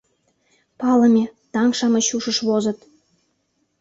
Палыме, таҥ-шамыч ушыш возыт...